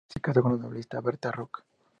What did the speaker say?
Se casó con la novelista Berta Ruck.